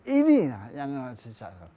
ini yang disisakan